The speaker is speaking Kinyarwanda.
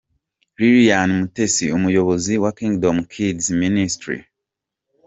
Liliane Mutesi umuyobozi wa Kingdom Kids Ministry.